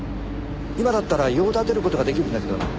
今だったら用立てる事ができるんだけどな。